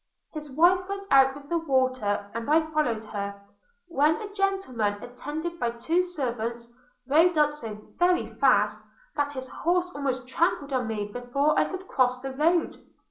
His wife went out with the water, and I followed her; when a gentleman, attended by two servants, rode up so very fast, that his horse almost trampled on me before I could cross the road.